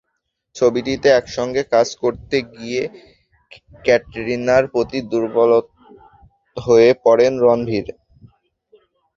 ছবিটিতে একসঙ্গে কাজ করতে গিয়ে ক্যাটরিনার প্রতি দুর্বল হয়ে পড়েন রণবীর।